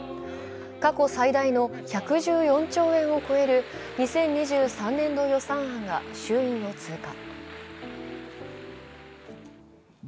過去最大の１１４兆円を超える２０２３年度予算案が衆院を通過。